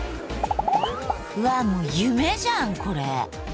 うわもう夢じゃんこれ。